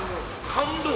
半分？